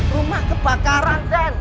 rumah kebakaran den